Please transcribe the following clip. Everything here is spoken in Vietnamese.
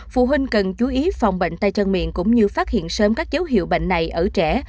phụ huynh cần chú ý phòng bệnh tay chân miệng cũng như phát hiện sớm các dấu hiệu bệnh này ở trẻ